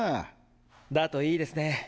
だといいですね。